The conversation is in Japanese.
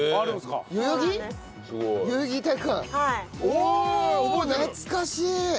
おお懐かしい！